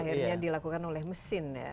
akhirnya dilakukan oleh mesin ya